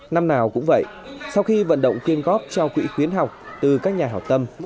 năm nào cũng vậy sau khi vận động kiên góp cho quỹ khuyến học từ các nhà hảo tâm